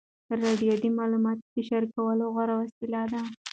راډیو د معلوماتو د شریکولو غوره وسیله ده.